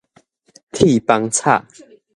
鐵枋炒